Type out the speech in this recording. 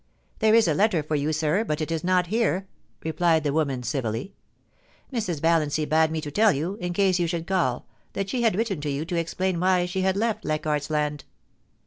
' There is a letter for you, sir, but it is not here,' replied the woman, civilly. Mrs. Valiancy bade me tell you, in case you should call, that she had written to you to explain why she had left Leichardt's Land.'